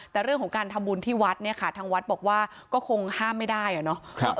แต่เรื่องของการทำบุญที่วัดเนี่ยค่ะทางวัดบอกว่าก็คงห้ามไม่ได้อะเนาะ